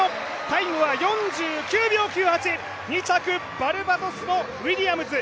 タイムは４９秒９８２着、バルバトスのウィリアムズ。